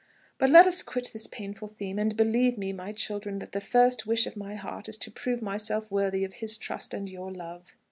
But let us quit this painful theme; and believe me, my children, that the first wish of my heart is to prove myself worthy of his trust and your love."